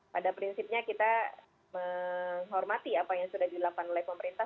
pada prinsipnya kita menghormati apa yang sudah dilakukan oleh pemerintah